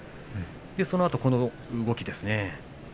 そのあとこの動きですね。